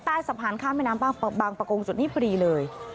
ใต้สะพานข้ามแม่น้ำบางประกงจุดนี้พอดีเลย